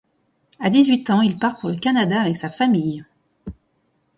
À dix-huit ans, il part pour le Canada avec sa famille.